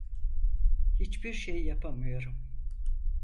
Hiçbir şey yapamıyorum.